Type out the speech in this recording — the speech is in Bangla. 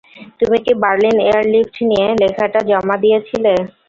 তুমি কি বার্লিন এয়ারলিফট নিয়ে লেখাটা জমা দিয়েছিলে?